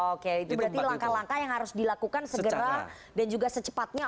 oke itu berarti langkah langkah yang harus dilakukan segera dan juga secepatnya